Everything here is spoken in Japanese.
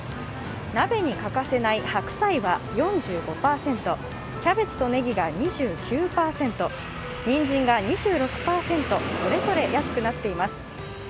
鍋に欠かせない白菜は４５％、キャベツとネギが２９％にんじんが２６％、それぞれ安くなっています。